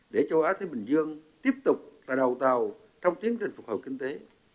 để châu á thái bình dương tiếp tục là đầu tàu trong tiến trình phục hồi kinh tế